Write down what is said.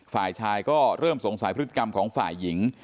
ฝ่ายชายก็เริ่มสงสัยพฤติกรรมของฝ่ายหญิง